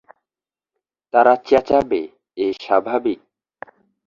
তারা চেঁচাবে, এ স্বাভাবিক।